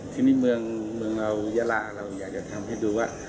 ทีนี้เมืองเรายาลาเราอยากจะทำให้ดูว่า